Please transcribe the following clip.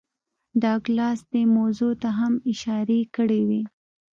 ډاګلاس دې موضوع ته هم اشارې کړې وې